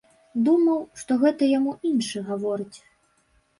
Думаў, што гэта яму іншы гаворыць.